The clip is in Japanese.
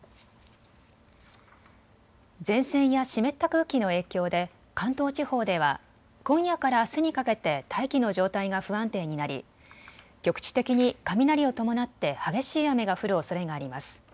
前線や湿った空気の影響で関東地方では今夜からあすにかけて大気の状態が不安定になり局地的に雷を伴って激しい雨が降るおそれがあります。